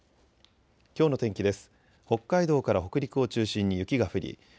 きょうの天気です。